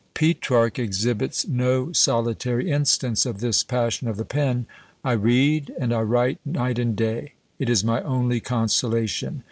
Petrarch exhibits no solitary instance of this passion of the pen, "I read and I write night and day; it is my only consolation.